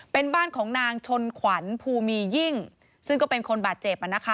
เป็นบ้านของนางชนขวัญภูมียิ่งซึ่งก็เป็นคนบาดเจ็บ